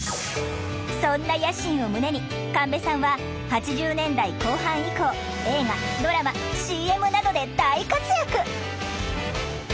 そんな野心を胸に神戸さんは８０年代後半以降映画ドラマＣＭなどで大活躍！